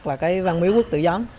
là cái văn miếu quốc tự giám